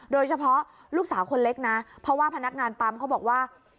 โดยเฉพาะลูกสาวคนเล็กนะเพราะว่าพนักงานปั๊มเขาบอกว่า